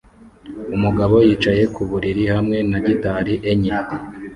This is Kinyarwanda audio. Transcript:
Umugabo yicaye ku buriri hamwe na gitari enye